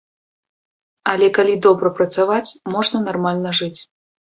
Але калі добра працаваць, можна нармальна жыць.